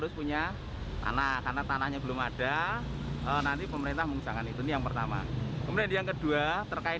setelah kisah keluarga cahyo dan wiwin jadi pembicaraan di media sosial